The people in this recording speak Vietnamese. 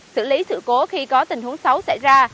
xử lý sự cố khi có tình huống xấu xảy ra